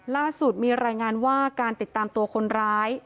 ล่าสุดมีรายงานว่าการติดตามตัวคนร้าย